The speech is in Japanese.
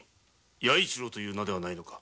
弥一郎という名ではないのか？